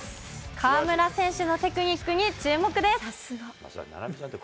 河村選手のテクニックに注目です。